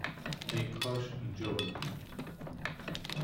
ای کاش اینجا بودی